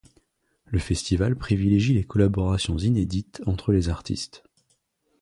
Le festival privilégie les collaborations inédites entre les artistes.